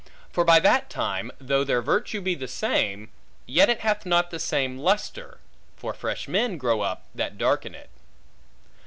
For by that time, though their virtue be the same, yet it hath not the same lustre; for fresh men grow up that darken it.